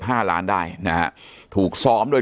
ปากกับภาคภูมิ